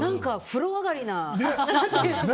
風呂上がりな。